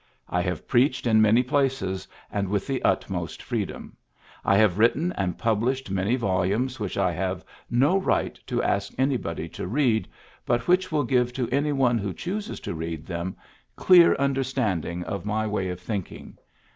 I have preached in many places, and with the utmost freedom. I have written and published many volumes, which I have no right to ask anybody to read, but which will give to any one who chooses to read them clear understanding of my way of thinking.